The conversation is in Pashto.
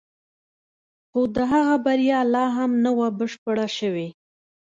خو د هغه بریا لا هم نه وه بشپړه شوې